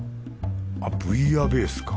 あっブイヤベースか。